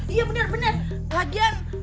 iya bener bener lagian